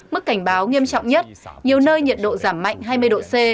mức cảnh báo nghiêm trọng nhất nhiều nơi nhiệt độ giảm mạnh hai mươi độ c